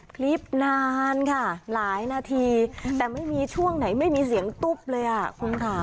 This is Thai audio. คลิปนานค่ะหลายนาทีแต่ไม่มีช่วงไหนไม่มีเสียงตุ๊บเลยอ่ะคุณค่ะ